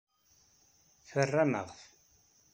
Terram-aɣ-t.